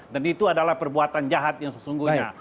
dan itu adalah perbuatan jahat yang sesungguhnya